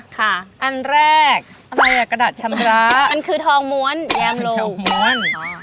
อันแรกอะไรอ่ะกระดาษชำระอันคือทองม้วนแยมโลทองม้วน